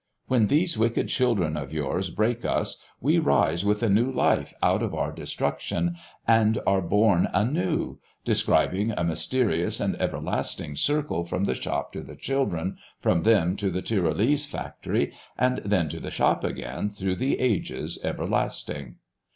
When these wicked children of yours break us, we rise with a new life out of our destruction, and are born anew, describing a mysterious and everlasting circle from the shop to the children, from them to the Tyrolese factory, and thence to the shop again through the ages everlasting."